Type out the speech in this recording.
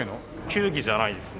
球技じゃないですね。